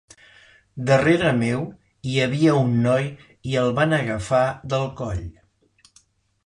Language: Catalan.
Darrere meu hi havia un noi i el van agafar del coll.